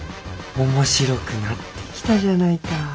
面白くなってきたじゃないか。